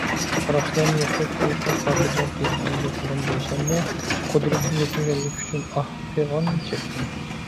قاراقچىلارنى يوقىتىپ، خەلقنى خاتىرجەم قىلىشنى ئارزۇ قىلغان بولساممۇ، قۇدرىتىم يەتمىگەنلىكى ئۈچۈن ئاھ - پىغان چەكتىم.